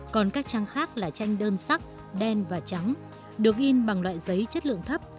còn các trang khác là tranh đơn sắc đen và trắng được in bằng loại giấy chất lượng thấp